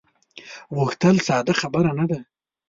غوښتل ساده خبره نه ده.